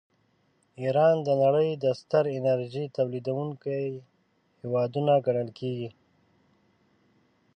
ایران د نړۍ د ستر انرژۍ تولیدونکي هېوادونه ګڼل کیږي.